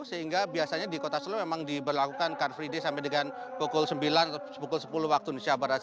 sehingga biasanya di kota solo memang diberlakukan car free day sampai dengan pukul sembilan atau pukul sepuluh waktu indonesia barat